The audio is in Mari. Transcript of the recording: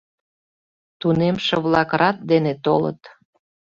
Тунемше-влак рат дене толыт.